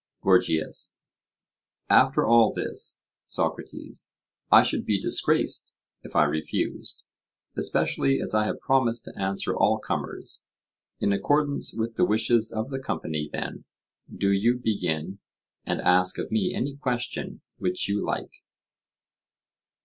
GORGIAS: After all this, Socrates, I should be disgraced if I refused, especially as I have promised to answer all comers; in accordance with the wishes of the company, then, do you begin, and ask of me any question which you like.